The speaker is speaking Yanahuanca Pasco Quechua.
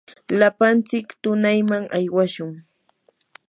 lapantsik tunayman aywashun.